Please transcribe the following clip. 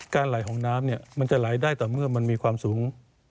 ไหลของน้ำเนี่ยมันจะไหลได้แต่เมื่อมันมีความสูง